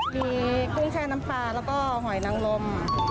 มีกุ้งแช่น้ำปลาแล้วก็หอยนังลม